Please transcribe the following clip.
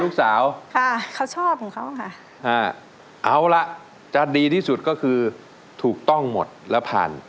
รักแต่พี่ด้วยใจเดียวรักแต่พี่ด้วยใจเดียว